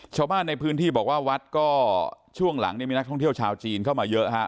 ชาวบ้านในพื้นที่บอกว่าวัดก็ช่วงหลังนี่มีนักท่องเที่ยวชาวจีนเข้ามาเยอะฮะ